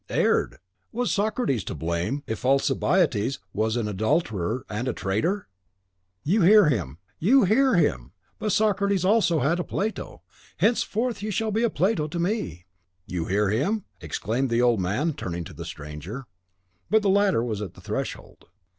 "Erred! Was Socrates to blame if Alcibiades was an adulterer and a traitor?" "You hear him, you hear him! But Socrates had also a Plato; henceforth you shall be a Plato to me. You hear him?" exclaimed the old man, turning to the stranger. But the latter was at the threshold.